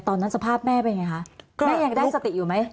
ตอนนั้นสภาพแม่เป็นไงคะแม่ยังได้สติอยู่ไหม